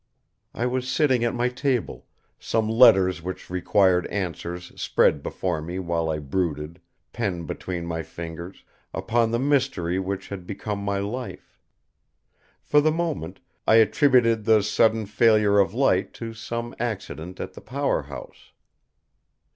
I was sitting at my table, some letters which required answers spread before me while I brooded, pen between my fingers, upon the mystery which had become my life. For the moment I attributed the sudden failure of light to some accident at the powerhouse.